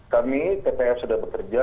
kami ppf sudah bekerja